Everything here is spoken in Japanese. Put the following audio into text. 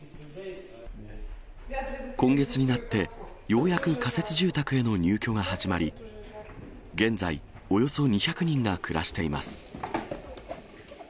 今月になって、ようやく仮設住宅への入居が始まり、現在、およそ２００人が暮らしています。